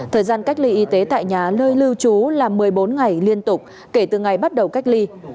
thời gian cách ly y tế tại nhà nơi lưu trú là một mươi bốn ngày liên tục kể từ ngày bắt đầu cách ly